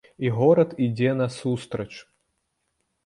І горад ідзе насустрач.